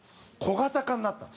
小型化になったんです。